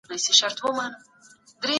حضرت شقيق رحمه الله فرمايي.